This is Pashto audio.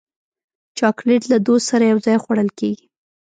چاکلېټ له دوست سره یو ځای خوړل کېږي.